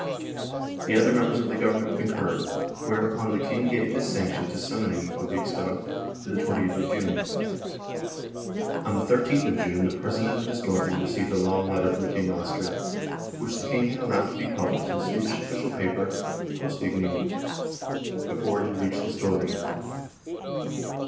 The other members of the Government concurred, whereupon the King gave his sanction to summon ing the Riksdag for the 2Oth of June. On the 1 3th of June the President of the Storthing received a long letter from King Oscar, which the King had allowed to be published in the Swedish official paper, Posttidningen, before it had reached the Storthing.